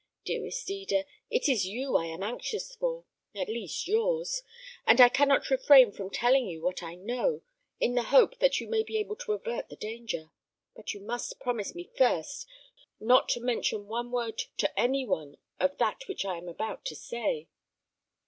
Dearest Eda, it is you I am anxious for at least yours; and I cannot refrain from telling you what I know, in the hope that you may be able to avert the danger; but you must promise me first not to mention one word to any one of that which I am about to say."